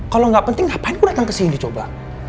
kalau gak penting ngapain gue datang kesini coba